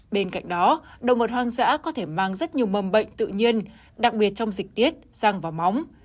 bên cạnh đó động vật hoang dã có thể mang rất nhiều mầm bệnh tự nhiên đặc biệt trong dịch tiết răng và móng